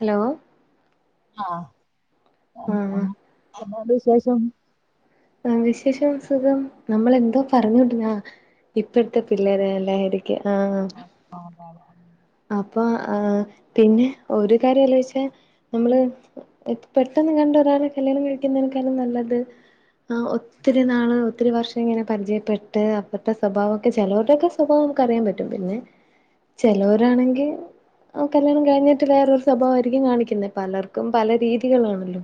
Hello ആഹ് ആഹ് എന്തുണ്ട് വിശേഷം ആ വിശേഷം സുഖം നമ്മള് എന്തോ പറഞ്ഞുട്ന ആ ഇപ്പഴ്ത്തെ പിള്ളാരെ ലഹരി ക്കെ ആഹ് ആ ആന്നോ അപ്പ ആഹ് പിന്നെ ഒരു കാര്യല്ലേച്ച നമ്മള് പെട്ടെന്ന് കണ്ടൊരാളെ കല്യാണം കഴിക്കുന്നതിനെക്കാളും നല്ലത് ആഹ് ഒ ഒത്തിരി നാള് ഒത്തിരി വർഷം ഇങ്ങനെ പരിചയപ്പെട്ട് അപ്പത്തെ സ്വഭാവം ഒക്കെ ചെലോർടൊക്കെ സ്വഭാവം നമ്ക്കറിയാം പറ്റും പിന്നെ ചെലോരാണെങ്കി ആഹ് കല്യാണം കഴിഞ്ഞിട്ട് വേറൊരു സ്വഭാവായിരിക്കും കാണിക്കുന്നെ പലർക്കും പല രീതികളാണല്ലോ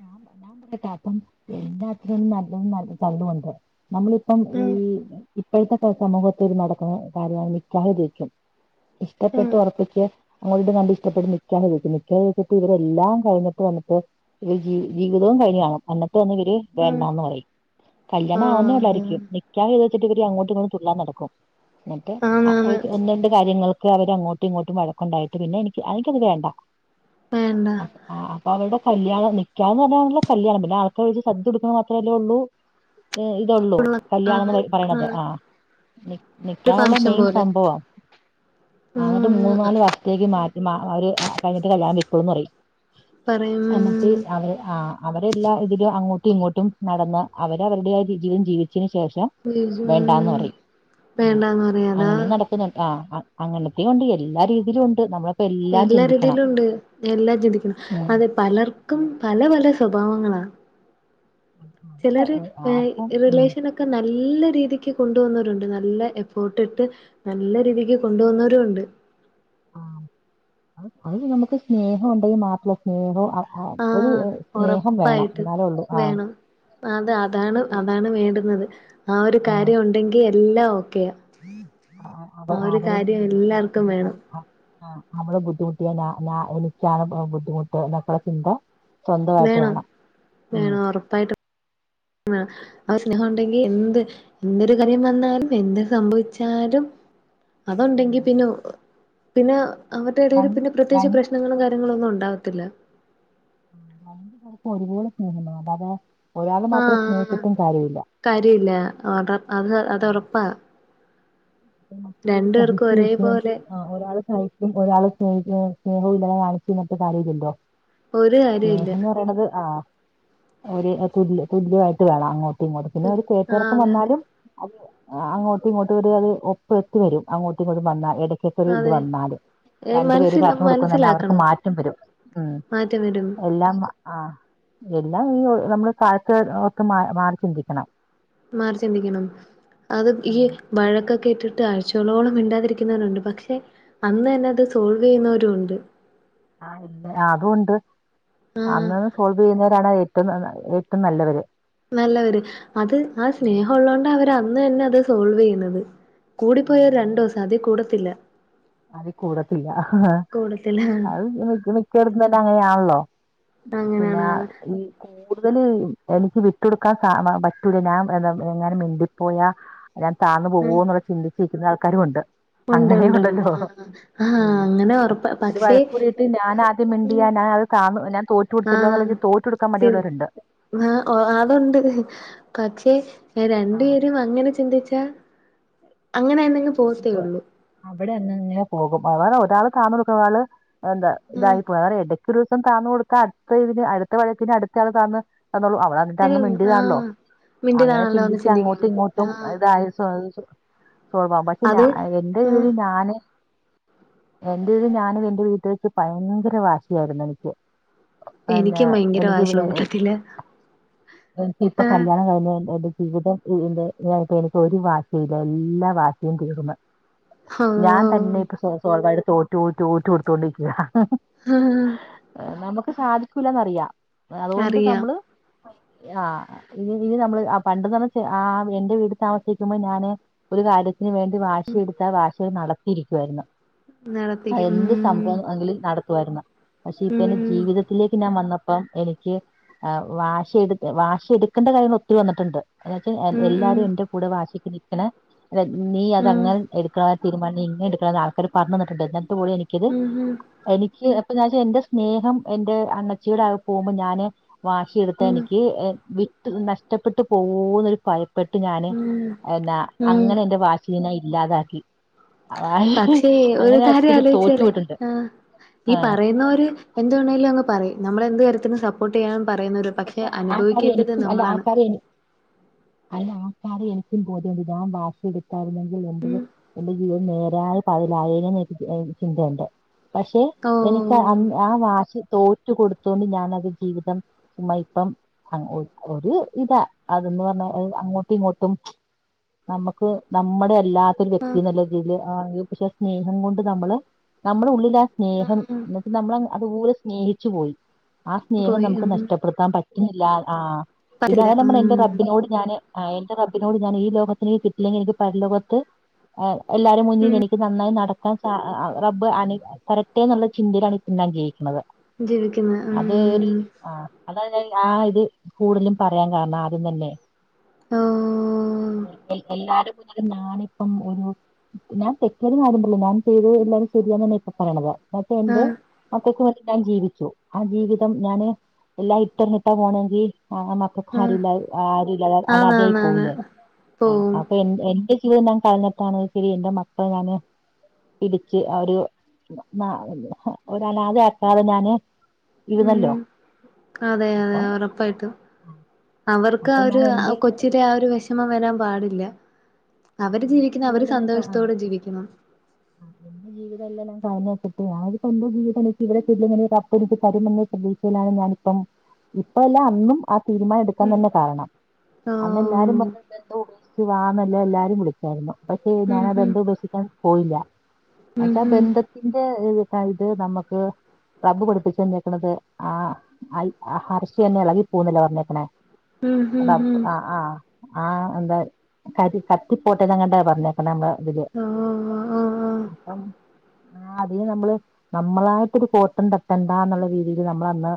ഞാൻ പറ ഞാൻ പറയട്ടെ അപ്പം എല്ലാത്തിനും നല്ല നല്ല ചള്ളൊണ്ട്. നമ്മളിപ്പം ആഹ് ഈ ഇപ്പോഴ്ത്തെ സമൂഹത്തിൽ നടക്കുന്ന കാര്യം നിക്കാഹ് കൈകും ഇഷ്ടപ്പെട്ട് ആഹ് ഒറപ്പിച്ച് അങ്ങോട്ട് കണ്ട് ഇഷ്ടപ്പെട് നിക്കാഹ് കഴിച്ച് നിക്കാഹ് കഴിച്ചിട്ട് ഇവരെല്ല കഴിഞ്ഞിട്ട് വന്നിട്ട് ഇവര് ജി ജീവിതവും കഴിഞ്ഞാണും അന്നട്ട് വന്നിവര് ആഹ് വേണ്ടാന്ന് പറയും. കല്യാണം ആന്നേ ആഹ് ഒള്ളായിരിക്കും നിക്കാഹ്‌ ചെയ്തു വെച്ചിട്ട് ഇവര് അങ്ങോട്ടും ഇങ്ങോട്ടും തുള്ളാൻ നടക്കും എന്നിട്ട് ആ ഓ ആന്നാന്ന് ഒന്ന് രണ്ട് കാര്യങ്ങൾക്ക് അവരങ്ങോട്ടും ഇങ്ങോട്ടും വഴകൊണ്ടായിട്ട് പിന്നെ എനിക്ക് എനിക്കത് വേണ്ട. വേണ്ട ആ അപ്പൊ അവർടെ കല്യാണം നിക്കാഹ് പറഞ്ഞാണല്ലോ കല്യാണം പിന്നെ ആൾക്ക് കൊറച്ച് സദ്യ കൊടുക്കൂന്ന മാത്രല്ലേ ഒള്ളൂ ഏ ഇതൊള്ളൂ ആന്ന് കല്യാണന്ന് പോയി പറയണത് ആഹ് ആ. ഏ ഒരു എന്നിട്ടാണല്ലോ ഫങ്ഷൻ മെയിൻ പോലെ സംഭവം ആ ന്നിട്ട് ആഹ് മൂന്നാല് വർ ത്തേക്ക് മാറ്റി മാ ഓര് കൈഞ്ഞട്ട് കല്യാണം കൈകൂന്ന് പറയും പറയും എന്നിട്ട് അവര് ആ അവരെല്ലാ ഇതിലും അങ്ങോട്ടും ഇങ്ങോട്ടും നടന്ന് അവര് അവർടെതായ ജീവിതം ജീവിച്ചേന് ശേഷം വേണ്ടാന്ന് ഉം പറയും ഉം വേണ്ടാന്ന് പറയാ അതാ അങ്ങനേം നട പിന്നെന്താ ആ അങ്ങനത്തേ ഒണ്ട് എല്ലാ രീതീലൊണ്ട് നമ്മ എല്ലാ രീതീലൊണ്ട് എല്ലാം ചിന്തിക്കണം ഉം അതെ പലർക്കും പല പല സ്വഭാവങ്ങളാ. അത് ചെലര് ഒ- ഏ ആർക്കും ഉം റിലേഷനൊ ക്കെ നല്ല രീതിക്ക് കൊണ്ടോന്നവരുണ്ട് നല്ല എഫോർട്ടെടുത്ത് നല്ല രീതിക്ക് കൊണ്ടു പോന്നവരൊണ്ട് ആ അ അത് നമുക്ക് സ്നേഹം ഒണ്ടെങ്കി മാത്രം ഉണ്ടോ അ അ ഒരു ആഹ് സ്നേഹം വേണം എന്നാലേ ഒള്ളൂ ആ ആതാ അതാണ് അതാണ് വേണ്ടുന്നത് ആ ഒരു കാര്യം ഒ എങ്കി എല്ലാ ഓക്കെയ. അവ അവരെ വേണം [unintelligible] ആ അവള് ബുദ്ധിമുട്ടിയ ന ന എനിക്കാണ് ബുദ്ധിമുട്ട് എന്നൊക്കൊള്ള ചിന്ത സ്വന്തമായിട്ട് വേണം ഉം ഒറപ്പായിട്ടും അഹ് ആ സ്നേഹം ഉണ്ടെങ്കി എന്ത് എന്തൊരു കാര്യം വന്നാലും എന്ത് സംഭവിച്ചാലും ഉം. അതണ്ടെങ്കി പിന്നെ പിന്നെ അവരുടെ ഇടയിൽ രണ്ട് പിന്നെ പ്രത്യേകിച്ച് രണ്ട് പ്രശ്നങ്ങളും കാര്യങ്ങളും ഒന്നും ഉണ്ടാവത്തില്ല ഉം രണ്ട് പേർക്കും ഒരുപോലെ സ്നേഹം തോന്നണം അല്ലാതെ ഒരാള് മാത്രം ആഹ് സ്നേഹിച്ചിട്ടും കാര്യമില്ല കാര്യയില്ല അത് അത് ഉറപ്പാ പേർക്കും ഒരേപോലെ [unintelligible] ആ ഒരാള് സഹിക്കും ഒരാള് സ്നേഹ സ്നേഹവും ഇല്ലാതെ കാണിച്ച് നിന്നട് കാര്യം ഇല്ലല്ലോ ഒരു കാര്യമില്ല. സ്നേഹന്ന് പറയണത് ആഹ് ഒരു തുല് തുല്യമായിട്ട് വേണം അങ്ങോട്ടും ഇങ്ങോട്ടും പിന്നെ ഒരു ആ കേറ്റർക്കം അതെ വന്നാലും അത് അങ്ങോട്ടും ഇങ്ങോട്ട് ഒരു അത് ഒപ്പ എത്തിവരും അങ്ങോട്ടും ഇങ്ങോട്ടവന്ന ഇട ക്കൊരു ഇത് അതെ വന്നാല് രണ്ടു പേര് മനസ്സില പറഞ്ഞു കൊടുക്കുന്നന്നെ അവർക്ക് മനസ്സിലാക്കണം മാറ്റം വരും ഉം മാറ്റം വരും എല്ലാം ആഹ് എല്ലാം ഈ നമ്മള് കാലത്ത് ഒക്കെ മാറി ചിന്തിക്കണം മാറി ചിന്തിക്കണം അത് ഈ വഴക്കൊക്കെട്ടിട്ട് ആഴ്ചകളോളം മിണ്ടാതിരിക്കുന്നവരുണ്ട് പക്ഷെ അന്ന് തന്നെ അത് സോൾവെയ്യുന്നവരും ഉണ്ട് ആ ഇല്ല അതൂണ്ട് അന്ന്ന്ന് സോൾവ് ചെയ്യുന്നവരാണ് ഏ റ്റുംന്നതാ ഏറ്റവും നല്ലവര് നല്ലവര് അത് ആ സ്നേഹം ഉള്ളോണ്ടാ അവര് അന്ന്തന്നെ അത് സോൾവയ്യുന്നത് കൂടിപ്പോയാൽ രണ്ടുസം അതി കൂടത്തില്ല അത് കൂടത്തില്ല കൂടത്തില്ല അത് മിക്കട്ത്തും അങ്ങനെയാണല്ലോ പിന്ന അങ്ങനെയാണ് ഈ കൂടുതൽ എനിക്ക് വിട്ടൊടുക്കാൻ സാ പറ്റൂല ഞാൻ എങ്ങനെ മിണ്ടിപ്പോയാ ഞാൻ താഴന്ന ആ പോകോ എന്നുള്ള ചിന്തിച്ചിരിക്കുന്ന ആൾക്കാരും ഉണ്ട് ഉണ്ട് അങ്ങനെയും ഉണ്ട് ഉണ്ട് ഉണ്ടല്ലോ ആഹ് ആഹ് ഉം. അങ്ങനെ ഉറപ്പ പക്ഷെ ഞാനത് കാ ഞാ തോറ്റു കൊടുത്തല്ലോ ആഹ് എന്നുള്ള തോറ്റ കൊടുക്കാൻ സി മടിയുള്ളവരുണ്ട് ആഹ് അതുണ്ട് പക്ഷെ ആ, രണ്ടു പേരും അങ്ങനെ ചിന്തിച്ചാ അങ്ങനെ തന്നെങ്ങ് പോകത്തേ ഉള്ളൂ അവിടെന്നെ ഇങ്ങനെ പോകും അവടെ ഒരാൾ താമസിക്കുന്ന ഒരാള് എന്താ ആഹ് ഇതായി പോ അവ ഒരു ദിവസം താന്നു കൊടുത്ത അടുത്ത ഇതിന് അടുത്ത വഴയത്തിന് അടുത്ത ആള് താന്നന്ന് തന്നു അവളാണ് എന്നിട്ട് അന്ന് അരം മിണ്ടിയതാണല്ലോ ആഹ് അങ്ങനെ മിണ്ടിയതാണല്ലോന്ന് ചിന്തിച്ച് അങ്ങോട്ടും ചിന്തിക്കും ഇങ്ങോട്ടും ആഹ് ഇതായ സോ സ്വ ബാവം പക്ഷെ ഞ അത് എൻന്റെ ആഹ് ഇതിൽ ഞാന് എൻന്റെത് ഞാനും എൻറെ വീട്ട വെച്ച് ഭയങ്കര വാശിയായിരുന്നു എനിക്ക് എന്നന്നാ എനിക്കും ഭയങ്കര എനിക്ക് വാശിയുള്ള വ കൂട്ടത്തില് എനിക്ക്ഇപ്പൊ കല്യാണം കഴി ജീവിതംന്റെ ഞാനിപ്പോ എനിക്ക് ഒരു വാശയില്ല എല്ലാ വാശിയും തീർന്ന് ഞാൻ തന്നെ ഇപ്പൊ സ് സോൾ വായിട്ടു തോറ്റു തോറ്റു ഓറ്റു കൊടുത്തോണ്ടിരിക്കുക ഉം നമുക്ക് സാധിക്കൂല്ലന്നറിയാം അതുകൊണ്ട് അറിയാം നമ്മള് ആഹ് ഇ ഇനി നമ്മള് പണ്ടെന്ന് പറഞ്ഞ ആ എൻന്റെ വീട് താമസിക്കുമ്പോൾ ഞാന് ഒരു കാര്യം തിന് വേണ്ടി വാശിയെടുത്താൽ വാശികൾ നടത്തിയിരിക്കുവായിരുന്നു ആ നടത്തിക്കും എന്ത് സംഭവം എങ്കിലും നടത്തുവായിരുന്നു പക്ഷെ ഇപ്പ എന്റെ ഉം ജീവിതത്തിലേക്ക് ഞാൻ വന്ന പ്പം എനിക്ക് വാശി വാശി എടുക്കേണ്ട കാര്യങ്ങൾ ഒത്തിരി വന്നിട്ടുണ്ട് എന്നച്ച ഉം ഉം എല്ലാരും എന്റെ കൂടെ വാശിക്ക് നിക്കണ നീ ഉം അതങ്ങനെ എടുക്കണ തരുമാനം ഇങ്ങനെ എടുക്കണ ആക്കാര് പറഞ്ഞു തന്നിട്ടുണ്ട് എന്നിട്ട് കൂടി എനിക്കത് ഉം ഉം എനിക്ക് ഇപ്പച്ചാ എന്റെ സ്നേഹം എന്റെ അമ്മച്ചീട് ആ പോകുമ്പോൾ ഞാന് വാശിയെടുത്താ ഉം എനിക്ക് വിട്ട നഷ്ടപ്പെട്ട് പോകോ എന്നൊരു ഭയം പ്പെട്ട് ഞാന് ഉം എന്നാ ഉം ഉം അങ്ങനെ എന്റെ വാശിനെ ഇല്ലാതാക്കി ആ വാശി പക്ഷേ ഒരു അങ്ങനെ കാര്യം ഒത്തിരി ആലോചിച്ചല്ലേ തോറ്റുപോയിട്ടുണ്ട് ആ ഈ ആ പറയുന്നേര് എന്ത് വേണേങ്കും അങ്യും പറയും നമ്മൾ എന്ത് കാര്യത്തിും സപ്പോർട്ട് ചെയ്യാനും പറയുന്ന ഒരു പക്ഷെ ആക്കാര് എനിക്കും അല്ല ആക്കാര് എനി അതിന് ആൾക്കാര എനിക്കും ബോധണ്ട്ഞാൻ ഭാഷ എടുത്തായിരുന്നെങ്കിൽ എന്റെത് എന്റെ ജീവിതം നേരായി പതിലായേന്ന് എനിക്ക് ചിന്തയുണ്ട് പക്ഷെ എനിക്ക് ആ ഓഹ് വാശി തോറ്റ് കൊടുത്തോണ്ട് ഞാൻ അത് ജീവിതം ഉമ്മ ഇപ്പം ഒരു ഇതാ അതന്ന് പറഞ്ഞാ അങ്ങോട്ടും ഇങ്ങോട്ടും നമുക്ക് നമ്മുടെ അല്ലാത്തൊരു വ്യക്തി എന്നല്ല രീതിൽ പക്ഷെ സ്നേഹം കൊണ്ട് നമ്മള് നമ്മുടെ ഉള്ളിൽ ആ സ്നേഹം എന്നിട്ട് നമ്മൾ അതുപോലെ സ്നേഹിച്ചു പോയി ആ സ്നേഹം പോയി നമുക്ക് ഉം നഷ്ടപ്പെടുത്താൻ പറ്റുന്നില്ല ആ പിന്നെ പറ്റില്ല അതെ നമ്മ എന്റെ ഉം റബ്ബിനോട് ഞാൻ എന്റെ റബ്ബിനോട് ഞാൻ ഈ ലോകത്തിനിക്ക് കിട്ടില്ലെങ്കിൽ എനിക്ക് പര ലോകത്ത് എല്ലാരും മുന്നിൽ എനിക്ക് നന്നായി നടക്ക റബ്ബ് അന കരട്ടേ എന്നുള്ള ചിന്തയിലാണ് ഇപ്പം ഞാൻ ജയിക്കണുന്നത് ജീവിക്കുന്ന് ഉം അത് ഒരു ആ അതാണ് ഞാൻ ആ ഇത് കൂടുതലും പറയാൻ കാരണം ആദ്യം തന്നെ ഓഹ് എല്ലാരും മുന്നിൽ നഞാണിപ്പം ഒരു ഞാൻ തെറ്റത് മാരുണ്ടല്ലോ ഞാൻ ചെയ്ത് എല്ലാരും ശരിയെന്ന തന്നെ ഇപ്പൊ പറയണത് എന്റെ ആഹ് മക്കൾക്ക് വേണ്ടീട്ട് ഞാൻ ജീവിച്ചു ആ ജീവിതം ഞാന് എല്ലാ ഇട്ടർനിട്ട് പോണെങ്കിൽ ആ ആ അല്ലാതെ ആഹ് ആരൂല്ലാതെ ആന്ന് അനാദായി ആന്ന് ആന്ന് പോകൂലേ പോവും അപ്പൊ എ ഇത് ഞാൻ കളഞ്ഞിട്ടാണ് എന്റെ മക്കൾ ഞാന് പിടിച്ച് ഒരു ഒ അനാത ആക്കാതെ ഞാന് ഉം ഇരുന്നല്ലോ അതെ അതെ അപ്പം ഉറപ്പായിട്ട് അവർക്ക് അപ്പൊ ഞാൻ അവര് എന്റെ കൊച്ച ഇച്ചരി ആ ഒരു വിഷമം വരാൻ പാടില്ല അവര് എന്റെ ജീവിക്കുന്ന അവര് സന്തോഷത്തോടെ ജീവിക്കണം മ് ജീവിതം എല്ലാം കഴഞ്ഞച്ചിട്ട് ഞപ്പപ്പോ എന്തോ ജീവിതം എനിക്ക് ഇവിടെ ചെ അപ്പ തരുമെന്ന പ്രതീക്ഷയിലാണ് ഞാനിപ്പം ഇപ്പ എല്ല അന്നും ആ തീരുമാനം എടുക്കാൻ ഉം തന്നെ കാരണം അന്നല്ലാരും ആഹ് പറഞ്ഞ- ബന്ധം ഉപേക്ഷിച്ച് വാമ എല്ലാം എല്ലാരും വിളിക്കായിരുന്നു പക്ഷെ ഞാൻ ഉം ആ ഉം ബന്ധം ഉപേക്ഷിക്കാൻ പോയില്ല ഉം എന്നച്ചാ ഉം ബന്ധത്തിന്റെ ഇത് നമ്മുക്ക് റബ് പടിപ്പിച്ചു തന്നേക്കുന്നത് ആ ഹർഷ് തന്നെ ഇളകി പോവുന്നല്ലേ പറഞ്ഞേകണെ ഉം ഉം ഉം ആഹ് ആഹ് ആഹ് എന്താ കരി കത്തി പോട്ടങ്ങട്ടാ പറഞ്ഞേക്കണ ന ഇതില് ആഹ് ആഹ് അപ്പം ആ അത നമ്മള് നമ്മളായിട്ടൊരു കോട്ടം തട്ടണ്ടന്നുള്ള രീതിൽ നമ്മൾ അന്ന്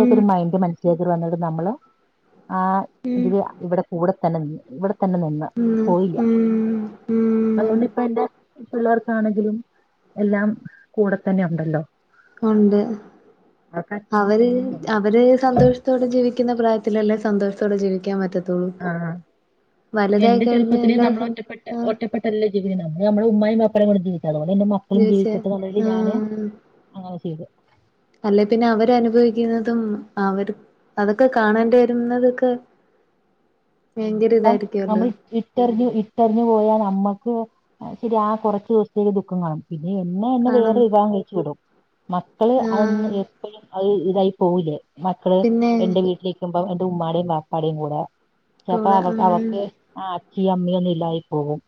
ഉം ഒരു മൈൻഡ് മനസ്സിലോക്ക വന്നിട്ട് നമ്മള് ആ ഉം ഇ ഇവിടെ കൂടെ- തന്നെ ഇവിടെ തന്നെ നിന്ന് ഉം പോയില്ല ഉം ഉം അതൊണ്ട്പ്പ എന്റെ പിള്ളേർക്കാണെങ്കിലും എല്ലാം കൂടെ തന്നെ ഉണ്ടല്ലോ ഉണ്ട് അവർക്ക് അച്ഛനും അവര് അമ്മയും ഉണ്ട് അവര് സന്തോഷ- ത്തോടെ ജീവിക്കുന്ന പ്രായത്തിലല്ലേ സന്തോഷത്തോടെ ജീവിക്കൻ പറ്റത് ആഹ് എന്റെ കഴിഞ്ഞ ചെറുപ്പത്തി എല്ലാ നമ്മൾ സം ഒറ്റപ്പെട്ട ആഹ് ഒറ്റപ്പെ- നല്ല ജീവിക്കുന്നത് നമ്മൾ നമ്മുടെ ഉമ്മായും വാപ്പായും കൂടെ ജീവിച്ചല്ലോ അതേ മാതിരി എൻറെ മക്കളും ജീവിച്ചേ ജീവിക്കട്ടെ എന്നുളളതിൽ ഞാൻ ആഹ് അങ്ങനെ ചെയ്ത് അല്ലെ പിന്നെ അവര് അനുഭവിക്കുന്നതും അവർ അതൊക്കെ കാണേണ്ടി വരുന്നതൊക്കെ ആ ഭയങ്കര അപ്പം ഇതായിരിക്കുവല്ലോ നമ്മളി ഇട്ടെറിഞ്ഞു ഇട്ടറിഞ്ഞു പോയാൽ നമ്മുക്ക് ശരി ആ കുറച്ച് ദിവസത്തേക്ക് ദുഃഖം കാണും പിന്നെ എന്നോ എന്നെ കാണും വേറെ വിവാഹം കഴിച്ച് വിടും മക്കള് അതന്ന് ആഹ് എപ്പോഴും അത് ഇതായി പോവില്ലേ മക്കള് പിന്നെ എന്റെ വീട്ടിലേ ക്കുമ്പോ എന്റെ ഉമ്മാടെയും ബാപ്പാടെയും കൂടെ ചിലപ്പോ കൂടെ അവ ഉം അവക്ക് ആ അച്ഛയും അമ്മയും ഒന്നും ഇല്ലാതായി പോവും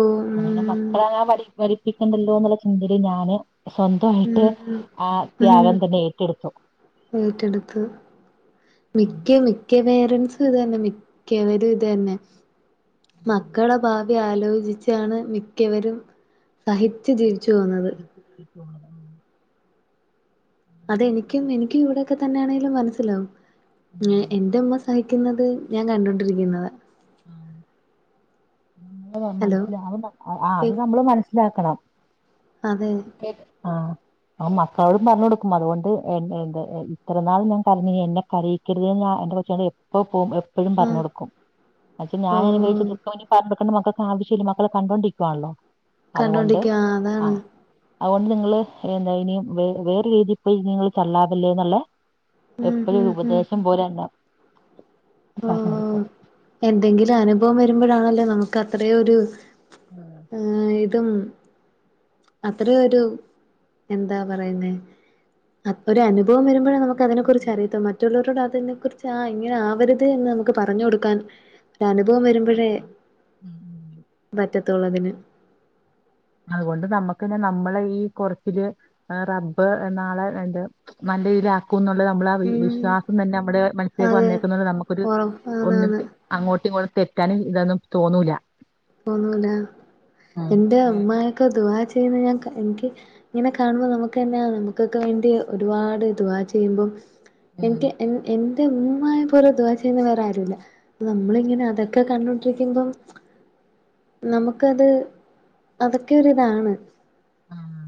ഉം പിന്നെ മക്കളെ അങ്ങനെ വലി വലിപ്പിക്കണ്ടല്ലോ എന്നുള്ള ചിന്തയില് ഞാന് സ്വന്തം ആയിട്ട് ഉം ആ ഉം ത്യാഗം തന്നെ ഏറ്റെടുത്തു ഏറ്റെടുത്ത് ഉം. മിക്ക മിക്ക പേരൻസും ഇത് തന്നെ മിക്കവരും ഇത് തന്നെ മക്കടെ ഭാവി ആലോചിച്ചാണ് മിക്കവരും സഹിച്ച് ജീവിച്ച് പോന്നത് പഠിപ്പിച്ചു. ഉം അതെനിക്കും എനിക്കും ഇവിടൊക്കെ തന്നെയാണേലും മനസ്സിലാവും ഉം. ഉം. എന്റെ ഉമ്മ സഹിക്കുന്നത് ഞാൻ കണ്ടൊണ്ടിരിക്കുന്നതാ ആ [unintelligible] ഹലോ ആ കേ അത് നമ്മള് മനസ്സിലാക്കണം അതെ ആഹ് ഞാൻ മക്കളോടും പറഞ്ഞ് കൊടുക്കും അതുകൊണ്ട് എന്ത് ഇത്ര നാൾ ഞാൻ കരഞ്ഞു ഇനി എന്നെ കരയി [unintelligible] ഞാൻ എന്റെ കൊച്ചിനോട് എപ്പോ പോവും എപ്പോഴും പറഞ്ഞ് ആഹ് കൊടുക്കും എന്ന് വച്ചാ ഓ ഞാനനുഭവിച്ച ഇപ്പോ അതിന് പറഞ്ഞ് കൊടുക്കണ്ട മക്കക്ക് ആവശ്യവില്ല മക്കള് കണ്ടോണ്ടിരിക്കവാണല്ലോ അതുകൊണ്ട് കണ്ടോണ്ടിരിക്ക അതാണ് ആഹ് അതുകൊണ്ട് നിങ്ങള് എന്താ ഇനി വ വേറെ രീതിയിൽ പോയിനി നിങ്ങൾ തല്ലാവല്ലേ എന്നുള്ള ഉം എപ്പോഴും ഒരു ഉം ഉം ഉപദേശം പോലെ തന്നെ പറഞ്ഞ് ആഹ് കൊടുക്കും എന്തെങ്കിലും അനുഭവം വരുമ്പഴാണല്ലോ നമുക്ക് അത്ര ഒരു ആഹ് ആഹ് ഇതും അത്ര ഒരു എന്താ പറയുന്നേ അപ്പോ ഒരു അനുഭവം വരുമ്പഴാ നമു ക്ക് അതിനെ കുറിച്ച് അറിയത്തോ മറ്റുള്ളോരോട് അതിനെ കുറിച്ച് ആ ഇങ്ങനെ ആവരുത് എന്ന് നമുക്ക് പറഞ്ഞ് കൊടുക്കാൻ അനുഭവം വരുമ്പഴേ പറ്റുള്ളൂ ഉം ഉം. പറ്റത്തൊള്ള് അതിന് അതുകൊണ്ട് നമ്മുക്ക് തന്നെ നമ്മളെ ഈ കൊറച്ചില് ആഹ് റബ്ബ് നാളെ എന്ത് നല്ല ഇതിലാ ക്കൂന്നുള്ള നമ്മളാ ഉം വിശ്വാസം തന്നെ നമ്മുടെ മനസ്സിലേക്ക് അതെ വന്നേക്കുന്നത് നമുക്കൊരു ഓ ഒന്നിട്ട് ആന്നാന്ന് അങ്ങോട്ടും ഇങ്ങോട്ടും തെറ്റാനും ഇതൊന്നും തോന്നൂല തോന്നൂല ഉം എന്റെ ഏഹ് അമ്മയൊക്കെ ദുആ ചെയ്യുന്ന ഞാൻ ക എനിക്ക് ഇങ്ങനെ കാണുമ്പോ നമുക്ക് തന്നെ ആ നമുക്കൊക്കെ വേണ്ടി ഒരുപാട് ദുആ ചെയ്യുമ്പം ഉം എനിക്ക് എൻ എന്റെ ഉമ്മൂമ്മായെ പോലെ ദുആ ചെയ്യുന്ന വേറെ ആരുവില്ല നമ്മളിങ്ങനെ അതൊക്കെ കണ്ടോണ്ടിരിക്കുമ്പം നമുക്കത് അതൊക്കെ ഒരു ഇതാണ് ആഹ്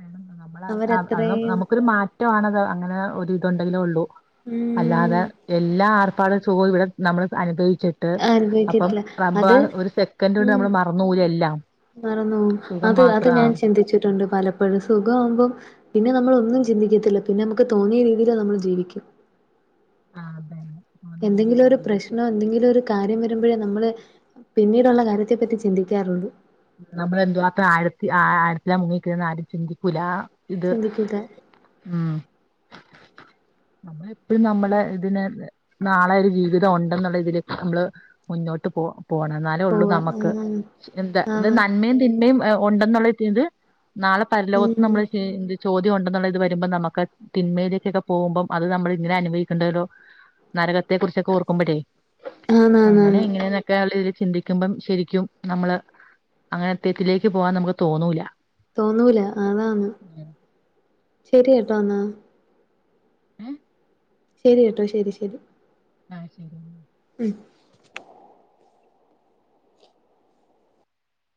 വേണം നമ്മള അ അ അത് അവരത്രയും നമുക്കൊരു മാറ്റമാണത് അങ്ങനെ ഒരിതുണ്ടല്ലോ ഉള്ളൂ. ഉം അല്ലാതെ എല്ലാ ആർഭാടവും സുഖവും ഇവിടെ നമ്മള് അനുഭവിച്ചി ട്ട് അപ്പം അനുഭവിക്കത്തില്ല റബ്ബ് അത് ആ ഒരു സെക്കൻഡ് കൊണ്ട് നമ്മള് മറന്ന് [unintelligible] എല്ലാം. മറന്ന് പോവും സുഖം അത് അത് മാത്രം ഞാൻ ആഹ് ചിന്തിച്ചിട്ടുണ്ട് പലപ്പഴും സുഖാവുമ്പോ പിന്നെ നമ്മളൊന്നും ചിന്തിക്കത്തില്ല. പിന്നെമ്മക്ക് തോന്നിയ രീതില് നമ്മള് ജീവിക്കും. ആഹ് [inaudible] എന്തെങ്കിലും ജീവി- ഒരു ജീവി- പ്രശ്നോ എന്തെങ്കിലൊരു കാര്യം വരുമ്പഴേ നമ്മള് പിന്നീടൊള്ള കാര്യത്തെ പറ്റി ചിന്തിക്കാറുള്ളു. നമ്മളെന്തുവാത്ര ആഴത്തി ആഴത്തില മുങ്ങിനിക്ക്ണ്ന്ന് ആരും ചിന്തികൂലാ. ഇത് ചിന്തിക്കൂല. ഉം നമ്മള് എപ്പഴും നമ്മളെ ഇതിനല്ലെ നാളെ ഒരു ജീവിതം ഒണ്ടെന്നുള്ള ഇതില് നമ്മള് മുന്നോട്ട് പോ പോണം എന്നാലെ ഒള്ളു പോവാ. നമ്മക്ക് ഉം [inaudible] എന്താ ആന്ന്. മേം തിന്മേംഎ ഒണ്ടെന്നുള്ളറ്റിയത് നാളെ പരലോകത്ത് നമ്മൾ ഉം [inaudible] ചോദ്യം ഒണ്ടെന്നുള്ള ഇത് വരുമ്പ നമ്മക്ക് തിന്മയിലേക്കെക്കെ പോവ്മ്പം അത് നമ്മൾ ഇങ്ങനെ അനുഭവിക്കേണ്ടേലോ നരകത്തെ കുറിച്ചൊക്ക ഓർക്കുമ്പോഴേ. അങ്ങനെ ആന്നാന്നാന്ന്. ഇങ്ങനെന്നെക്കെ ല്ല രീതീ ചിന്തിക്കുമ്പം ശരിക്കും നമ്മള് അങ്ങനെ തെറ്റിലേക്ക് പോവാൻ നമുക്ക് തോന്നൂല്ല. തോന്നൂല അതാന്ന് ശരി കേട്ടോ ന്നാ. [unintelligible] ശരി കേട്ടോ ശരി ശരി. ആഹ് ശരി. ഉം.